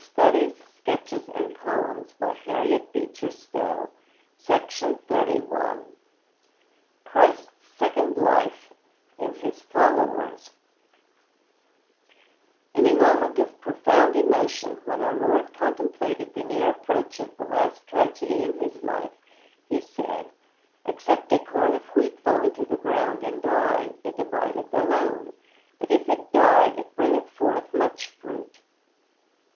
It is "Christ in us, the hope of glory," that is to be the power that shall convert the world. XXXII CHRIST'S SECOND LIFE, IN HIS FOLLOWERS In a moment of profound emotion, when our Lord contemplated the near approach of the last tragedy in his life, he said: "Except a corn of wheat fall into the ground and die, it abideth alone; but if it die it bringeth forth much fruit."